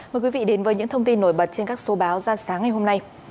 mời quý vị đến với những thông tin nổi bật trên các số báo ra sáng ngày hôm nay